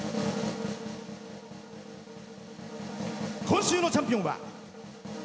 今週のチャンピオンは。